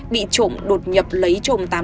bị trộm đột nhập lấy trộm